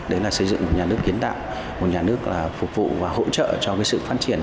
đấy là xây dựng một nhà nước kiến tạo một nhà nước là phục vụ và hỗ trợ cho sự phát triển